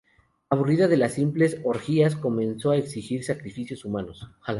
Aburrida de las simples orgías, comenzó a exigir sacrificios humanos.